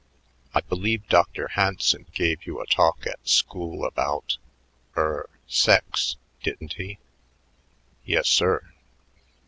"I believe Dr. Hanson gave you a talk at school about er, sex, didn't he?" "Yes, sir."